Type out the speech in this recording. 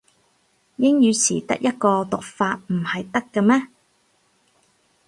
英文詞得一個讀法唔係得咖咩